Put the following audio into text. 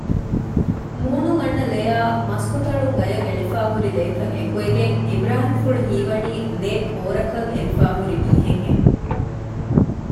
މޫނުން އަންނަ ލެއާއި މަސްކޮތަޅުން ގަޔަށް އެޅިފައިހުރި ލޭތައް އެކުވެގެން އިބުރާހިމްފުޅު ހީވަނީ ލޭކޯރަކަށް އެރިފައިހުރި މީހެއް ހެން